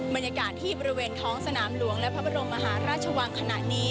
บรรยากาศที่บริเวณท้องสนามหลวงและพระบรมมหาราชวังขณะนี้